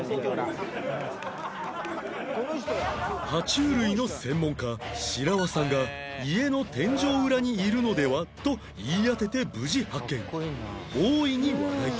爬虫類の専門家白輪さんが家の天井裏にいるのでは？と言い当てて無事発見